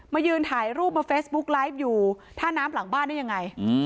มายืนถ่ายรูปมาลายอยู่ท่าน้ำหลังบ้านนั่นยังไงอืม